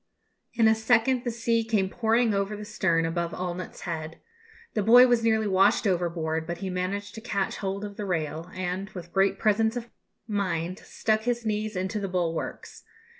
In a second the sea came pouring over the stern, above Allnutt's head. The boy was nearly washed overboard, but he managed to catch hold of the rail, and, with great presence of mind, stuck his knees into the bulwarks.